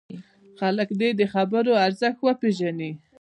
خلک دې د خبرو ارزښت وپېژني.